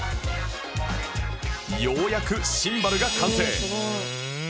ようやくシンバルが完成